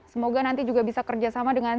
semoga nanti juga bisa kerjasama dengan